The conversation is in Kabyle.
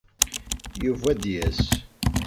Yuba ad d-yas.